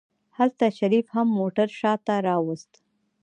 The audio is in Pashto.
هلته شريف هم موټر شاته راوست.